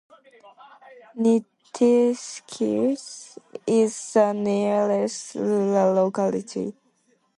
Nitilsukh is the nearest rural locality.